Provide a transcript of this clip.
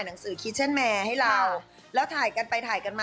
เพื่อนที่เป็นช่างภาพเป็น